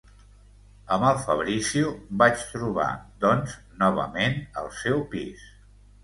Amb el Fabrizio vaig trobar, doncs, novament el seu pis.